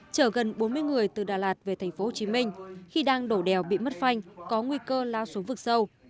chở gần bốn mươi người từ đà lạt về tp hcm khi đang đổ đèo bị mất phanh có nguy cơ lao xuống vực sâu